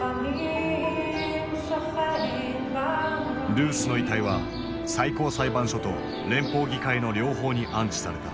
ルースの遺体は最高裁判所と連邦議会の両方に安置された。